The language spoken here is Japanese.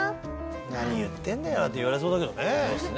「何言ってんだよ」って言われそうだけどね。